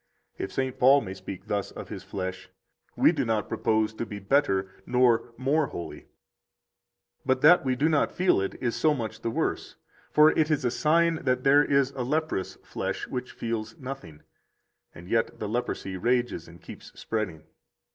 If St. Paul may speak thus of his flesh, we do not propose to be better nor more holy. 77 But that we do not feel it is so much the worse; for it is a sign that there is a leprous flesh which feels nothing, and yet [the leprosy] rages and keeps spreading.